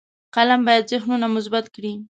فلم باید ذهنونه مثبت کړي